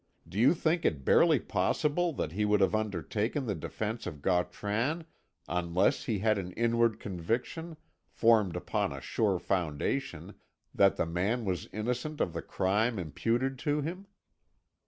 Do you think it barely possible that he would have undertaken the defence of Gautran unless he had an inward conviction, formed upon a sure foundation, that the man was innocent of the crime imputed to him?"